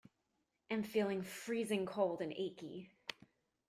Am feeling freezing cold and achy.